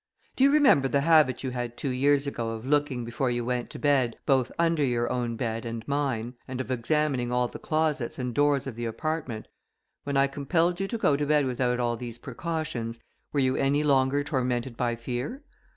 Do you remember the habit you had two years ago, of looking, before you went to bed, both under your own bed and mine, and of examining all the closets and doors of the apartment? When I compelled you to go to bed without all these precautions, were you any longer tormented by fear?"